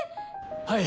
はい。